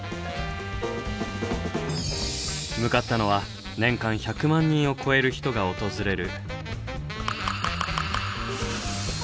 向かったのは年間１００万人を超える人が訪れる。